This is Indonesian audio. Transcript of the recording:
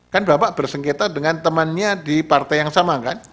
kan bapak bersengketa dengan temannya di partai yang sama kan